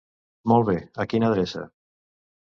Molt bé, a quina adreça?